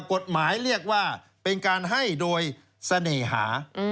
กฎหมายเรียกว่าเป็นการให้โดยเสน่หา